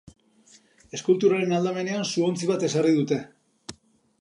Eskulturaren aldamenean suontzi bat ezarri dute.